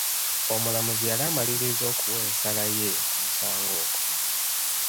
Omulamuzi yali amalirizza okuwa ensala ye ku musango ogwo.